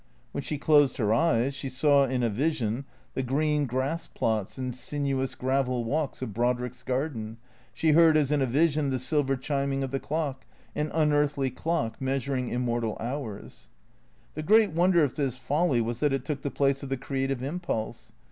When she closed her eyes she saw in a vision the green grass plots and sinuous gravel walks of Brodrick's garden, she heard as in a vision the silver chiming of the clock, an unearthly clock, measuring immortal hours. The great wonder of this folly was that it took the place of the creative impulse.